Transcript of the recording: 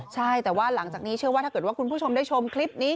ใช่แต่ว่าหลังจากนี้เชื่อว่าถ้าเกิดว่าคุณผู้ชมได้ชมคลิปนี้